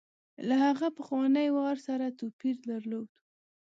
له هغه پخواني وار سره توپیر درلود.